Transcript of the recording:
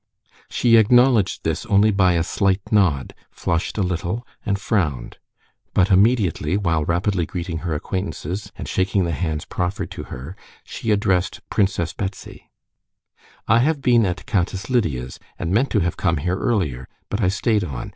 She acknowledged this only by a slight nod, flushed a little, and frowned. But immediately, while rapidly greeting her acquaintances, and shaking the hands proffered to her, she addressed Princess Betsy: "I have been at Countess Lidia's, and meant to have come here earlier, but I stayed on.